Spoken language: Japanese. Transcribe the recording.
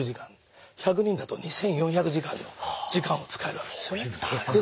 １００人だと２，４００時間の時間を使えるわけですよね。